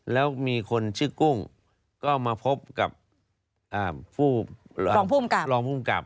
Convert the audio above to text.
แล้วมีคนชื่อกุ้งก็มาพบกับผู้รองภูมิกับ